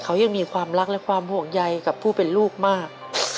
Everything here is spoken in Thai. เขายังมีความรักและความห่วงใยกับผู้เป็นลูกมาก